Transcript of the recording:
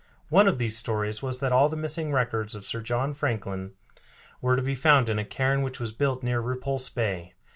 One of these stories was that all the missing records of Sir John Franklin were to be found in a cairn which was built near Repulse Bay.